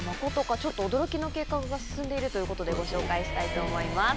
ちょっと驚きの計画が進んでいるということでご紹介したいと思います。